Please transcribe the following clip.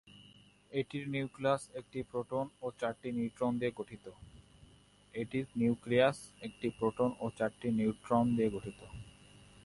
এটির নিউক্লিয়াস একটি প্রোটন এবং চারটি নিউট্রন নিয়ে গঠিত।